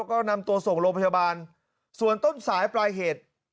ก็นำตัวส่งโรงพยาบาลส่วนต้นสายปลายเหตุ